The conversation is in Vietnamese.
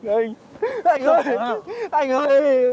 anh ơi anh ơi